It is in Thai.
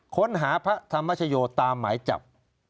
ค้นหาพระธรรมชโยตามหมายจับ